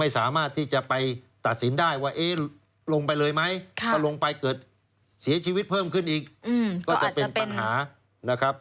เสียชีวิตเพิ่มขึ้นอีกก็อาจจะเป็นปัญหา